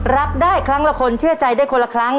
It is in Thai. รักได้ครั้งละคนเชื่อใจได้คนละครั้ง